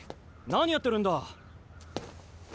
何やってるんだ！